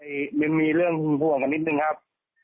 ผมไปมีเรื่องคือคุณภ่วงกันนิดนึงครับ